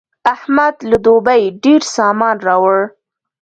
احمد له دوبۍ ډېر سامان راوړ.